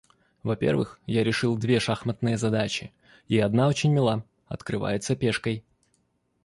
Во-первых, я решил две шахматные задачи, и одна очень мила, — открывается пешкой.